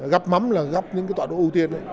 gắp mắm là gắp những cái tọa độ ưu tiên